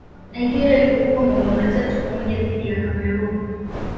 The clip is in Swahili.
nigeria ilifungwa mabao matatu kwa moja dhidi ya cameroon